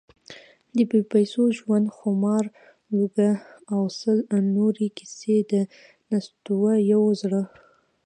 بې پیسو ژوند، خمار، لوږه… او سل نورې کیسې، د نستوه یو زړهٔ: